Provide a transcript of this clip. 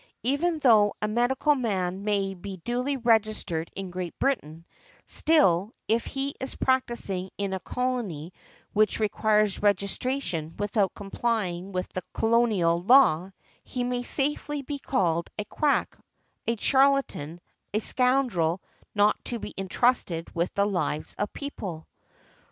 Even though a medical man be duly registered in Great Britain, still, if he is practising in a colony which requires registration without complying with the colonial law, he may safely be called "a quack," "a charlatan," "a scoundrel not to be entrusted with the lives of people" .